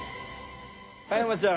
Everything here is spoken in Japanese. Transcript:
加山ちゃん。